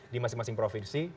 di masing masing provinsi